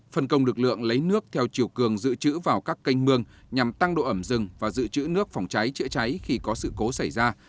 phân công lực lượng lấy nước theo chiều cường dự trữ vào các kênh mương nhằm tăng độ ẩm rừng và dự trữ nước phòng cháy chữa cháy khi có sự cố xảy ra